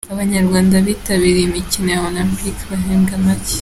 Abanyarwanda bitabiriye imikino ya Olempike bahembwa make